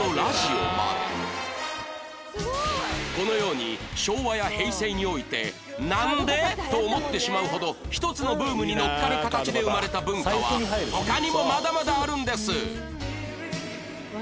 このように昭和や平成においてなんで？と思ってしまうほど１つのブームにのっかる形で生まれた文化は他にもまだまだあるんです！